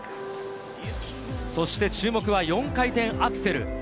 そして注目は４回転アクセル。